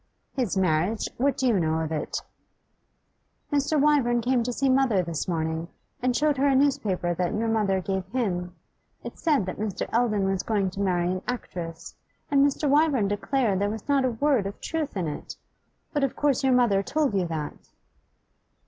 'His marriage? What do you know of it?' 'Mr. Wyvern came to see mother this morning, and showed her a newspaper that your mother gave him. It said that Mr. Eldon was going to marry an actress, and Mr. Wyvern declared there was not a word of truth in it. But of course your mother told you that?